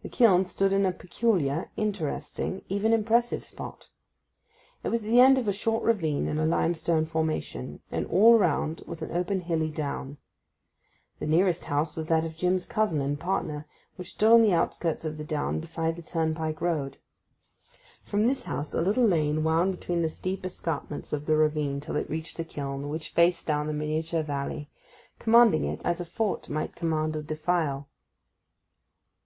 The kiln stood in a peculiar, interesting, even impressive spot. It was at the end of a short ravine in a limestone formation, and all around was an open hilly down. The nearest house was that of Jim's cousin and partner, which stood on the outskirts of the down beside the turnpike road. From this house a little lane wound between the steep escarpments of the ravine till it reached the kiln, which faced down the miniature valley, commanding it as a fort might command a defile.